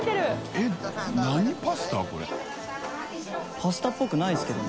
パスタっぽくないですけどね。